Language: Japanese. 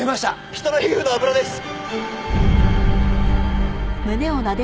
人の皮膚の脂です。